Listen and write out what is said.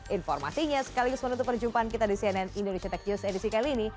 informasinya sekaligus menutup perjumpaan kita di cnn indonesia tech news edisi kali ini